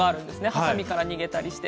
はさみから逃げたりして。